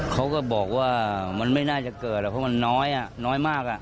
เขาก็บอกว่ามันไม่น่าจะเกิดหรอกเพราะมันน้อยน้อยมาก